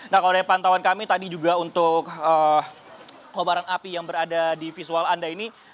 nah kalau dari pantauan kami tadi juga untuk kobaran api yang berada di visual anda ini